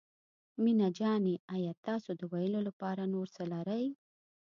مينه جانې آيا تاسو د ويلو لپاره نور څه لرئ.